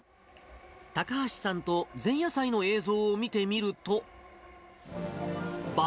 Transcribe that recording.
高橋さんと前夜祭の映像を見てみると。